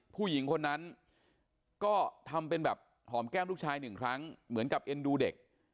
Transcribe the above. ผู้หญิงคนนั้นก็ทำเป็นแบบหอมแก้มลูกชายหนึ่งครั้งเหมือนกับเอ็นดูเด็ก